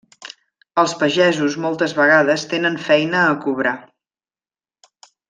Els pagesos moltes vegades tenen feina a cobrar.